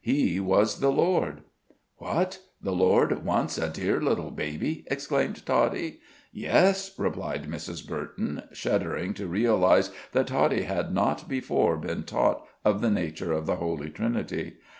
He was the Lord." "What! The Lord once a dear little baby?" exclaimed Toddie. "Yes," replied Mrs. Burton, shuddering to realize that Toddie had not before been taught of the nature of the Holy Trinity.